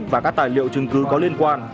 và các tài liệu chứng cứ có liên quan